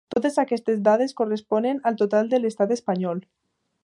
Totes aquestes dades corresponen al total de l’estat espanyol.